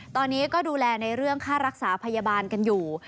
ตอนนี้ก็ดูแลในเรื่องค่ารักษาพยาบาลกันอยู่